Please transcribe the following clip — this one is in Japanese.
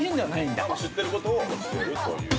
◆知ってることを教えるというね。